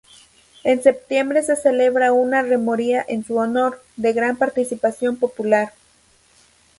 En septiembre se celebra una romería en su honor, de gran participación popular.